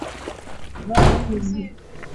ripoti za uokoaji ziliandikwa kwa umakini sana